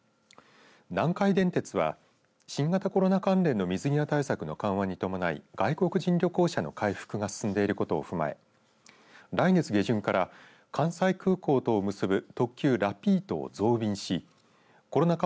南海電鉄は新型コロナ関連の水際対策に伴い外国人旅行者の回復が進んでいることを踏まえ来月下旬から関西空港とを結ぶ特急ラピートを増便しコロナ禍